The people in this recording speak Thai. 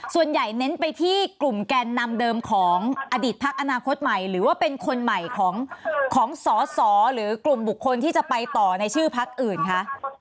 เน้นไปที่กลุ่มแกนนำเดิมของอดีตพักอนาคตใหม่หรือว่าเป็นคนใหม่ของสอสอหรือกลุ่มบุคคลที่จะไปต่อในชื่อพักอื่นคะ